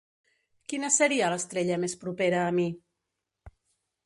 Quina seria l'estrella més propera a mi?